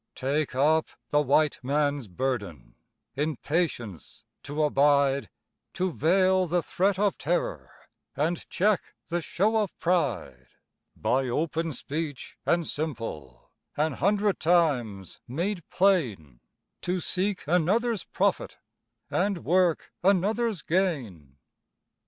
Take up the White Man's burden In patience to abide, To veil the threat of terror And check the show of pride; By open speech and simple, An hundred times made plain, To seek another's profit, And work another's gain.